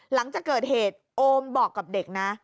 หลังจากเกิดเหตุโอมบอกกับเด็กนะ